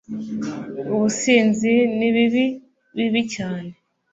ubusinzi nibibi bibi cyane